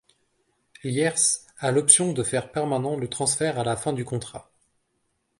Lierse a l'option de faire permanent le transfert à la fin du contrat.